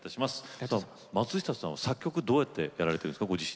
松下さんはふだんどうやって作曲されてるんですか。